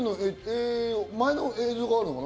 前の映像があるのかな。